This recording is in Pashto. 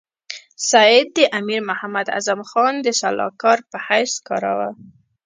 سید د امیر محمد اعظم خان د سلاکار په حیث کار کاوه.